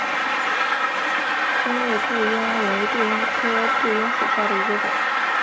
滇越杜英为杜英科杜英属下的一个种。